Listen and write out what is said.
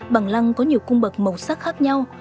bằng lăng có nhiều cung bậc màu sắc khác nhau